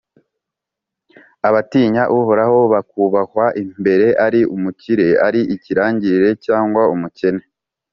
abatinya Uhoraho bakubahwa imbere Ari umukire, ari ikirangirire cyangwa umukene,